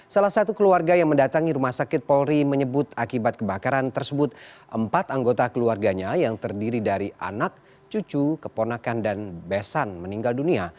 salah satu keluarga yang mendatangi rumah sakit polri menyebut akibat kebakaran tersebut empat anggota keluarganya yang terdiri dari anak cucu keponakan dan besan meninggal dunia